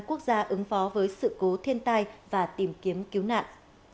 quốc gia ứng phó với sự cố thiên tai và tìm kiếm cứu nạn